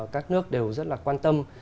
các nước đều rất là quan tâm